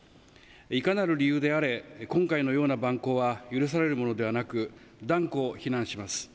いかなる理由であれ今回のような蛮行は許されるものではなく断固、非難します。